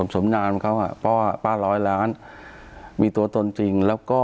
สมนานเขาอ่ะป้าร้อยล้านมีตัวตนจริงแล้วก็